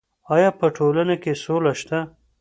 ایا په ټولنه کې سوله شته؟